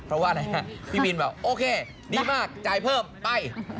เพราะว่าอะไรฮะพี่บินบอกโอเคดีมากจ่ายเพิ่มไป